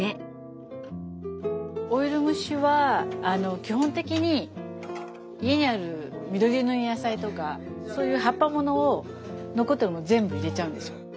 オイル蒸しは基本的に家にある緑色の野菜とかそういう葉っぱものを残ってるものを全部入れちゃうんですよ。